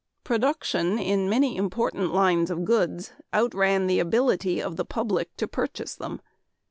".. .Production in many important lines of goods outran the ability of the public to purchase them.